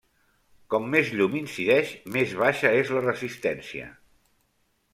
Com més llum incideix, més baixa és la resistència.